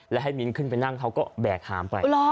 แล้วให้มิ้นขึ้นไปนั่งเขาก็แบกหามไป